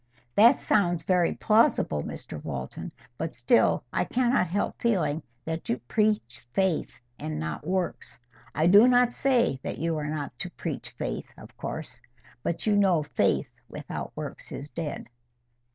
'" "That sounds very plausible, Mr Walton; but still I cannot help feeling that you preach faith and not works. I do not say that you are not to preach faith, of course; but you know faith without works is dead."